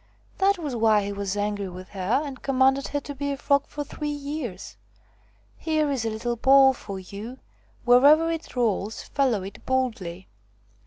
That was why he was angry with her and commanded her to be a frog for three years. Here is a little ball for you ; wherever it rolls, follow it boldly."